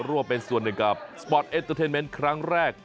ร่วมเป็นส่วนหนึ่งกับสปอร์ตเอสเตอร์เทนเมนต์ครั้งแรก